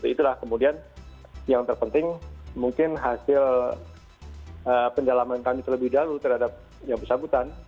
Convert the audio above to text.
itulah kemudian yang terpenting mungkin hasil pendalaman kami terlebih dahulu terhadap yang bersangkutan